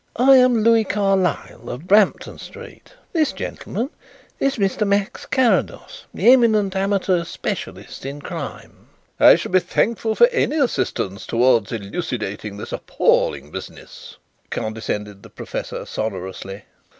"I am Louis Carlyle, of Bampton Street. This gentleman is Mr. Max Carrados, the eminent amateur specialist in crime." "I shall be thankful for any assistance towards elucidating this appalling business," condescended the professor sonorously.